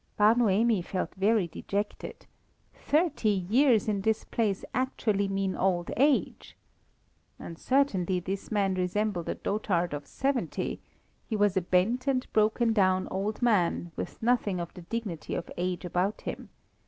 Bar Noemi felt very dejected. Thirty years in this place actually mean old age! And certainly this man resembled a dotard of seventy; he was a bent and broken down old man with nothing of the dignity of age about him.